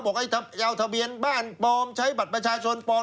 จะเอาทะเบียนบ้านปลอมใช้บัตรประชาชนปลอม